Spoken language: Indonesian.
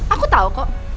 aku tahu kok